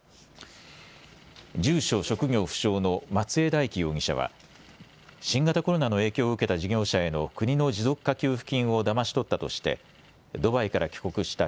住所職業不詳の松江大樹容疑者は新型コロナの影響を受けた事業者への国の持続化給付金をだまし取ったとしてドバイから帰国した